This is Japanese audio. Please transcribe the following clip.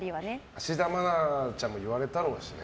芦田愛菜ちゃんも言われたろうしね。